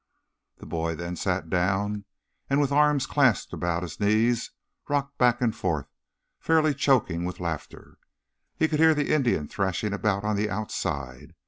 The boy then sat down and, with arms clasped about his knees, rocked back and forth, fairly choking with laughter. He could hear the Indian thrashing about on the outside.